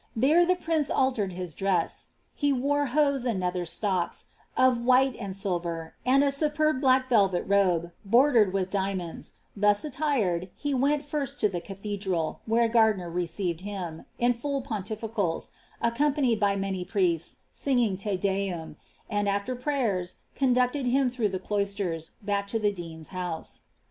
There iho prince alien his dresa; he wore hiise nnd nelher alockg, of whim and ailvur, and' fuperb blarli velvet robe, bordered wilh diamonds; tJius attired, h< Sxcil lo the caihedral, where Ganliner received hint, in full pontilkali accompanied by many priests, singing Te Deum ; and, afier pmyi conducted him ifirough the cloisters, back la the dean's liousc."